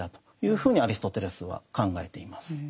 ふうにアリストテレスは考えています。